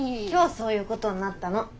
今日そういうことになったの。